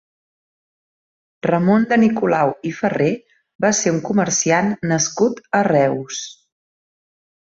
Ramon de Nicolau i Ferrer va ser un comeciant nascut a Reus.